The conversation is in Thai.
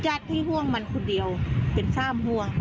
ที่ห่วงมันคนเดียวเป็นสามห่วง